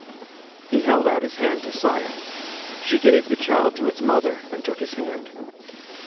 He held out his hand to Saya. She gave the child to its mother and look his hand.